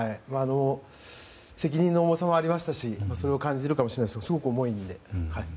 責任の重さもありましたしそれを感じるかもしれないですがすごく重いです。